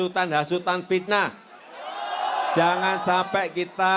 pada sore hari ini